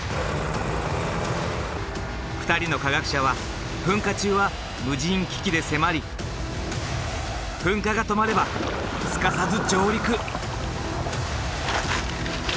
２人の科学者は噴火中は無人機器で迫り噴火が止まればすかさず上陸。